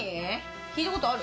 聞いたことある？